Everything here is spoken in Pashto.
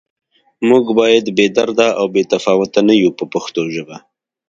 موږ باید بې درده او بې تفاوته نه یو په پښتو ژبه.